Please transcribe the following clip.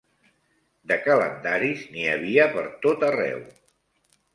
De calendaris n'hi havia per tot arreu